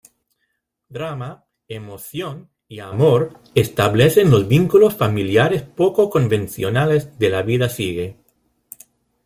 Drama, emoción y amor establecen los vínculos familiares poco convencionales de La Vida Sigue.